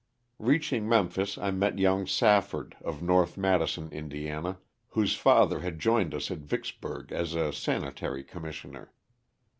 Reaching Memphis I met young Safford, of North Madison, Ind., whose father had joined us at Vicks burg as a Sanitary Commissioner.